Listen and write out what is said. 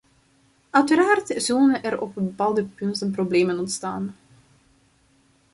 Uiteraard zullen er op bepaalde punten problemen ontstaan.